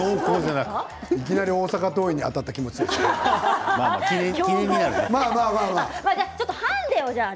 いきなり大阪桐蔭にあたった感じですね。